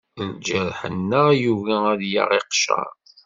Lǧarḥ-nneɣ, yugi ad yaɣ iqcer.